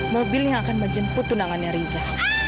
mobil yang akan menjemput tunangannya riza